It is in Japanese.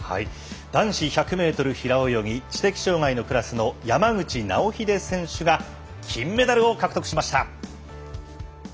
男子１００メートル平泳ぎ知的障がいのクラスの山口尚秀選手が金メダルを獲得しました。